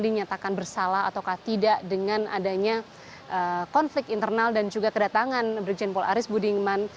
dinyatakan bersalah atau tidak dengan adanya konflik internal dan juga kedatangan brigjen pol aris budiman